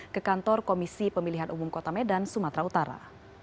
ke kantor komisi pemilihan umum kota medan sumatera utara